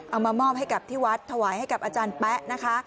เอามามอบให้กับที่วัดถวายให้กับอาจารย์แป๊ะนะคะ